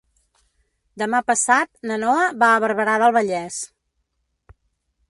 Demà passat na Noa va a Barberà del Vallès.